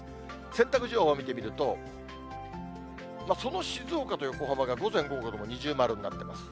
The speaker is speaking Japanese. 洗濯情報見てみると、その静岡と横浜が午前、午後とも二重丸になってます。